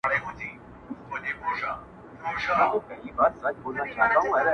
نو الله ج نن درتـــــه پـــــه لـــــــــپـــو ژاړم.